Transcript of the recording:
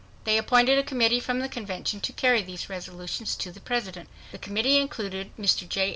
They appointed a committee from the convention to carry these resolutions to the President. The committee included Mr. J.